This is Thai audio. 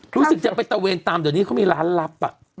รู้สึกจะไปตะเวนตามเดี๋ยวนี้เขามีร้านลับ